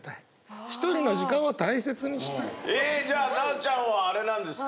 じゃあ奈緒ちゃんはあれなんですか？